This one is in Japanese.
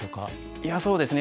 いやそうですね